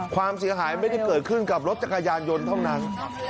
ความเสียหายไม่ได้เกิดขึ้นกับรถจักรยานยนต์เท่านั้น